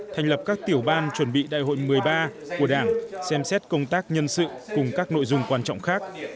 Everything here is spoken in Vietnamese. thành lập các tiểu ban chuẩn bị đại hội một mươi ba của đảng xem xét công tác nhân sự cùng các nội dung quan trọng khác